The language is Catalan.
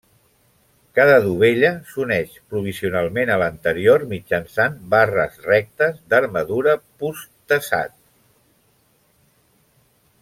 Cada dovella s'uneix provisionalment a l'anterior mitjançant barres rectes d'armadura posttesat.